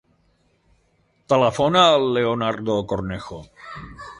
Telefona al Leonardo Cornejo.